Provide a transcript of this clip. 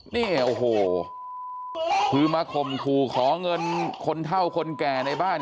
เนี่ยโอ้โหคือมาข่มขู่ขอเงินคนเท่าคนแก่ในบ้าน